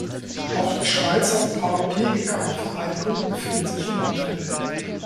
Auch die Schweizer Paraplegiker-Vereinigung befindet sich in Nottwil.